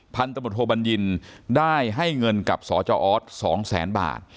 พันธบทโทบัญญินได้ให้เงินกับสจออส๒แสนบาท